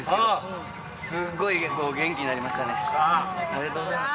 ありがとうございます。